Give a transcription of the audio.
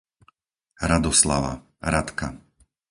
Radoslava, Radka